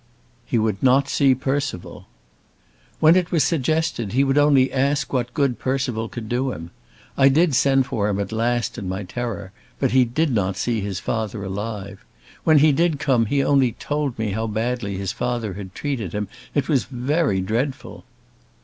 "He would not see Percival." "When it was suggested he would only ask what good Percival could do him. I did send for him at last, in my terror, but he did not see his father alive. When he did come he only told me how badly his father had treated him! It was very dreadful!"